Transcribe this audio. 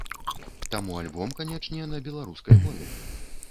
Таму альбом, канечне, на беларускай мове.